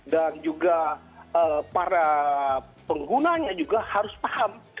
dan juga para penggunanya juga harus paham